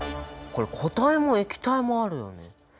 これ固体も液体もあるよね。